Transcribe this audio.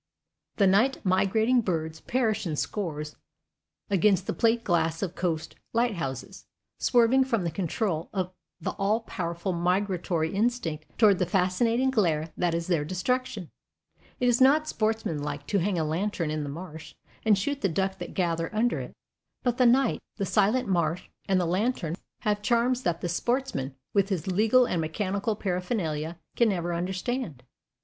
The night migrating birds perish in scores against the plate glass of coast lighthouses, swerving from the control of the all powerful migratory instinct toward the fascinating glare that is their destruction. It is not sportsmanlike to hang a lantern in the marsh and shoot the duck that gather under it. But the night, the silent marsh, and the lantern have charms that the sportsman, with his legal and mechanical paraphernalia, can never understand.